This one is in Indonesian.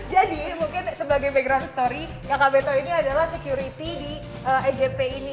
jadi mungkin sebagai background story kakak beto ini adalah security di egp ini